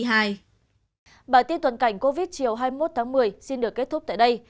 bản tin tuần cảnh covid chiều hai mươi một tháng một mươi xin được kết thúc tại đây